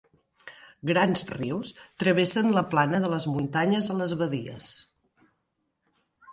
Grans rius travessen la plana de les muntanyes a les badies.